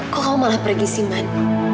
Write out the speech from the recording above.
kok kamu malah pergi sih man